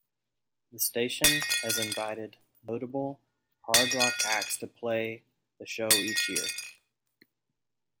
The station has invited notable hard rock acts to play the show each year.